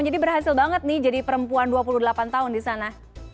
jadi berhasil banget nih jadi perempuan dua puluh delapan tahun disana